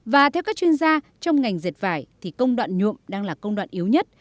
và theo các chuyên gia trong ngành diệt vải thì công đoạn nhuộm đang là công đoạn yếu nhất